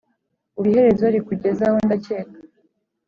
Ubu iherezo rikugezeho ndakeka